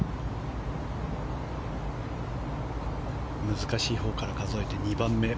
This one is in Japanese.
難しいほうから数えて２番目。